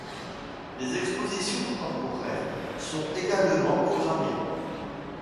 Des expositions temporaires sont également programmées.